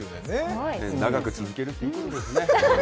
長く続けるっていいことですね。